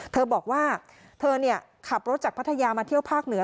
เธอบอกว่าเธอขับรถจากพัทยามาเที่ยวภาคเหนือ